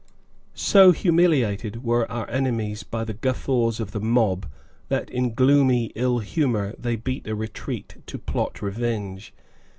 So humiliated were our enemies by the guffaws of the mob, that in gloomy ill humor they beat a retreat to plot revenge.